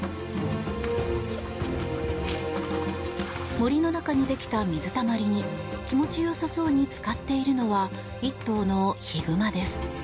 森の中にできた水たまりに気持ちよさそうにつかっているのは１頭のヒグマです。